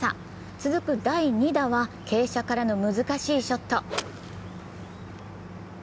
続く第２打は傾斜からの難しいショット。